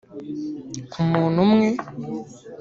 ku muntu umwe